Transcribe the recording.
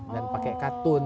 dan pake katun